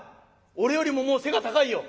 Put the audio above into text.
俺よりももう背が高いよ」。